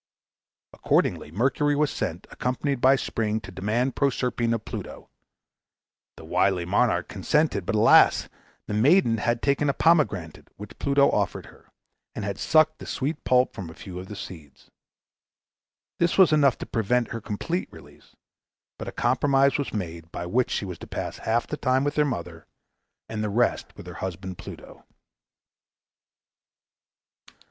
Accordingly, Mercury was sent, accompanied by Spring, to demand Proserpine of Pluto. The wily monarch consented; but, alas! the maiden had taken a pomegranate which Pluto offered her, and had sucked the sweet pulp from a few of the seeds. This was enough to prevent her complete release; but a compromise was made, by which she was to pass half the time with her mother, and the rest with her husband Pluto.